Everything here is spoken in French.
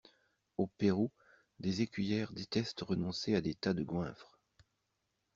Au Pérou, des écuyères détestent renoncer à des tas de goinfres.